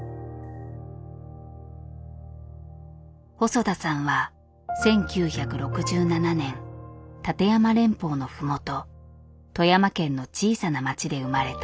細田さんは１９６７年立山連峰の麓富山県の小さな町で生まれた。